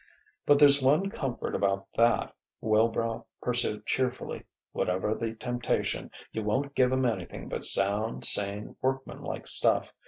"But there's one comfort about that," Wilbrow pursued cheerfully: "whatever the temptation, you won't give 'em anything but sound, sane, workmanlike stuff.